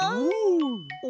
お！